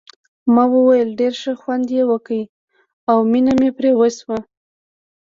ما وویل ډېر ښه خوند یې وکړ او مینه مې پرې وشوه.